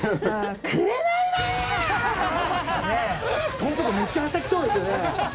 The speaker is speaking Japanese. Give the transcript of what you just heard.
布団とかめっちゃはたきそうですよね。